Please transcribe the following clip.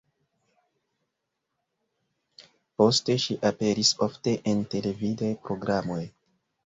Poste ŝi aperis ofte en televidaj programoj.